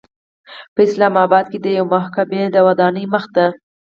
په اسلام آباد کې د یوې محکمې د ودانۍمخې ته